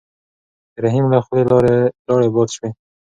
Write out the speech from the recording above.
د رحیم له خولې لاړې باد شوې.